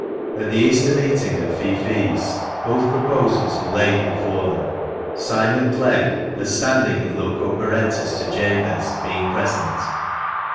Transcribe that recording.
At the Easter meeting of feoffees both proposals were laid before them — Simon Clegg, as standing in loco parentis to Jabez, being present.